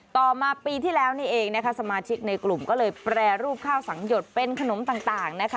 ต่อมาปีที่แล้วนี่เองนะคะสมาชิกในกลุ่มก็เลยแปรรูปข้าวสังหยดเป็นขนมต่างนะคะ